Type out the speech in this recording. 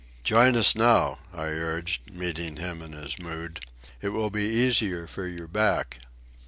"Join us now," I urged, meeting him in his mood. "It will be easier for your back."